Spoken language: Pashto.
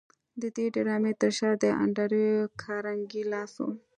د دې ډرامې تر شا د انډریو کارنګي لاس و